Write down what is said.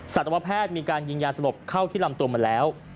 สัตวแพทย์มีการยิงยาสลบเข้าที่ลำตัวมาแล้ว